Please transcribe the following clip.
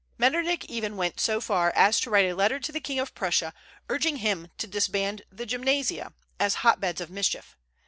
Metternich went so far as to write a letter to the King of Prussia urging him to disband the gymnasia, as hotbeds of mischief.